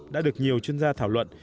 đã được nhiều chuyên gia thảo luận